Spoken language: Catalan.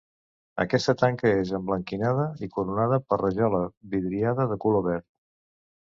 Aquesta tanca és emblanquinada i coronada per rajola vidriada de color verd.